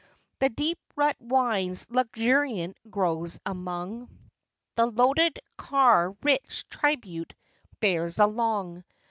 The deep rut winds luxuriant groves among; The loaded car rich tribute bears along.